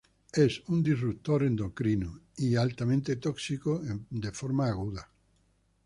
Es un disruptor endocrino y es altamente tóxico en forma aguda.